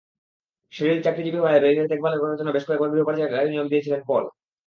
Sherrill চাকরিজীবী হওয়ায় রেইনের দেখভালের জন্য বেশ কয়েকবার গৃহপরিচারিকা নিয়োগ দিয়েছিলেন পল।